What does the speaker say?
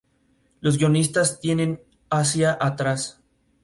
Los guionistas tienen hacia atrás.